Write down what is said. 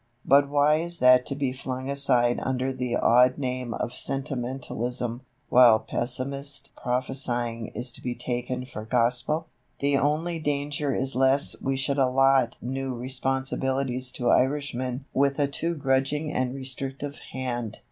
But why is that to be flung aside under the odd name of sentimentalism, while pessimist prophesying is to be taken for gospel? The only danger is lest we should allot new responsibilities to Irishmen with a too grudging and restrictive hand.